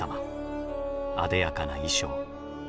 あでやかな衣装。